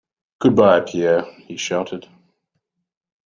Goodbye, Pierre, he shouted.